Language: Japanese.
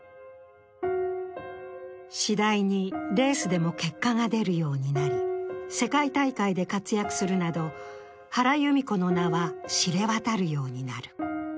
次第にレースでも結果が出るようになり、世界大会で活躍するなど、原裕美子の名は知れ渡るようになる。